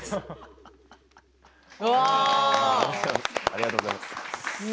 ありがとうございます。